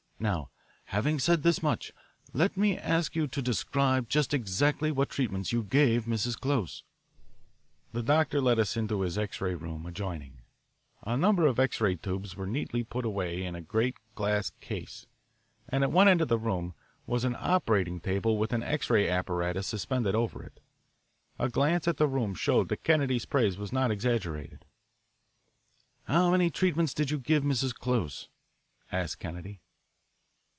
Now, having said this much, let me ask you to describe just exactly what treatments you gave Mrs. Close." The doctor led us into his X ray room adjoining. A number of X ray tubes were neatly put away in a great glass case, and at one end of the room was an operating table with an X ray apparatus suspended over it. A glance at the room showed that Kennedy's praise was not exaggerated. "How many treatments did you give Mrs. Close?" asked Kennedy.